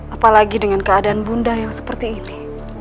apalagi dengan keadaan bunda yang seperti ini